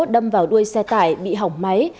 đâm vào đuôi xe tải bị hỏng máy